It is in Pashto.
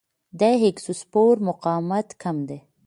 د اګزوسپور مقاومت کم دی.